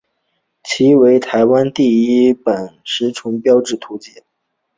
其为台湾第一本食虫植物图鉴。